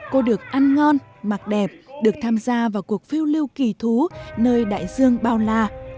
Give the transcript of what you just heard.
cô được ăn ngon mặc đẹp được tham gia vào cuộc phiêu lưu kỳ thú nơi đại dương bao la